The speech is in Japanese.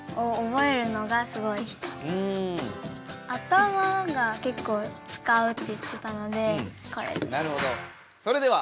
頭がけっこう使うって言ってたのでこれです。